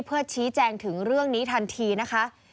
เพื่อชี้แจงถึงเรื่องนี้ทันทีนะคะ